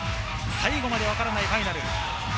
最後までわからないファイナル。